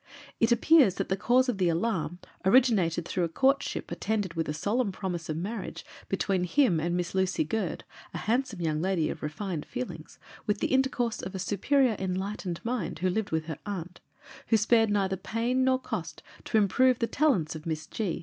It appears that the cause of alarm, originated through a courtship attended with a solemn promise of marriage, between him and Miss Lucy Gurd, a handsome young lady of refined feelings, with the intercourse of a superior enlightened mind, who lived with her aunt, who spared neither pain, nor cost, to improve the talents of Miss G.